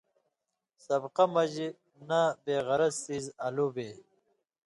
سبقہ مژ نہ بے غرض څیز الُو بے،